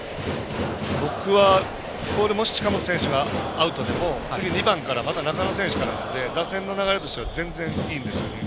僕は、ここで近本選手がアウトでも次２番から中野選手からなので打線の流れとしては全然いいんですよね。